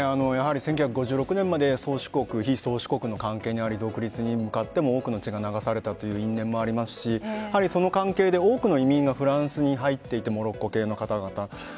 １９５６年まで宗主国非宗主国の関係で独立で多くの血が流されたこともありますしその関係で多くの移民がフランスに入っていてモロッコの方々